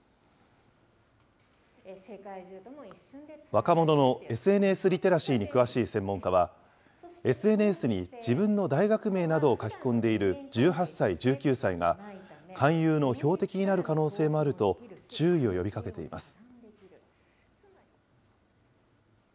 若者のＳＮＳリテラシーに詳しい専門家は、ＳＮＳに自分の大学名などを書き込んでいる１８歳、１９歳が勧誘の標的になる可能性もあると、注意を呼びかけています。